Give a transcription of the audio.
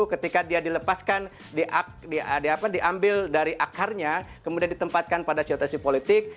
ketika dia dilepaskan diambil dari akarnya kemudian ditempatkan pada situasi politik